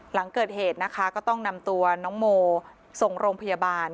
หลังเกิดเหตุนะคะก็ต้องนำตัวน้องโมส่งโรงพยาบาล